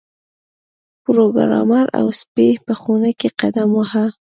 پروګرامر او سپی په خونه کې قدم واهه